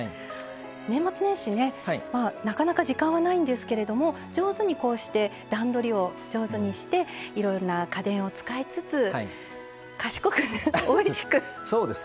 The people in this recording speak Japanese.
年末年始、なかなか時間はないんですけども上手に、段取りを上手にしていろいろな家電を使いつつ賢くおいしく作りたいです。